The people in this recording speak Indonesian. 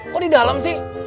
kok di dalam sih